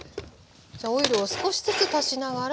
じゃオイルを少しずつ足しながら。